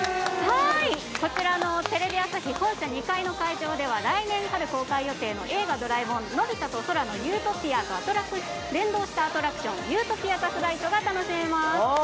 こちらのテレビ朝日本社２階の会場では来年春公開予定の「映画ドラえもんのび太と空の理想郷」と連動したアトラクション理想郷ザ・フライトが楽しめます。